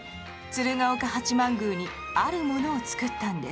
鶴岡八幡宮にあるものを造ったんです。